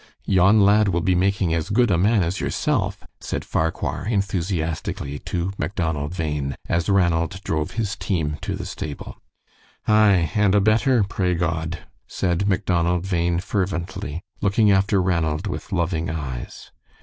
"Yon lad will be making as good a man as yourself," said Farquhar, enthusiastically, to Macdonald Bhain, as Ranald drove his team to the stable. "Aye, and a better, pray God," said Macdonald Bhain, fervently, looking after Ranald with loving eyes.